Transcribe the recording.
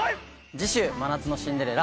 次週「真夏のシンデレラ」